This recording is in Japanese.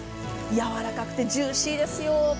やわらかくてジューシーですよ。